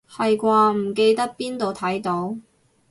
係啩，唔記得邊度睇到